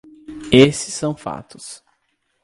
Esses são fatos.